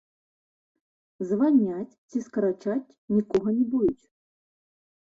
Звальняць ці скарачаць нікога не будуць.